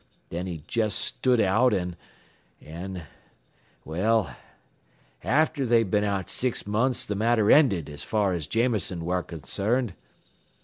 Thin he jest stood out an' an' well, after they'd been out six months th' matter ended as far as Jameson ware concerned.